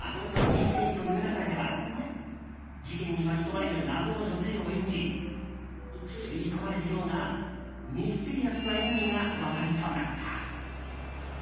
「ミステリと言う勿れ」では事件に巻き込まれる謎の女性を演じ吸い込まれるようなミステリアスな演技が話題となった。